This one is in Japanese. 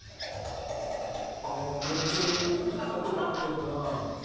ああめっちゃ音鳴ってるなあ。